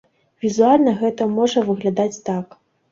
Візуальна гэта можа выглядаць так.